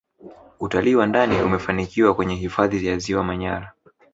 utalii wa ndani umefanikiwa kwenye hifadhi ya ziwa manyara